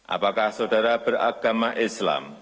apakah saudara beragama islam